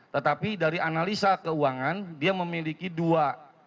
tetapi dari analisa keuangan dia memiliki dua